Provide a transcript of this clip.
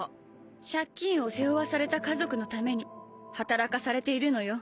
借金を背負わされた家族のために働かされているのよ。